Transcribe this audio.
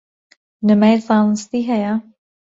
بنەمای زانستی هەیە؟